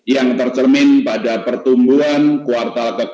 yang tercermin pada pertumbuhan ekonomi domestik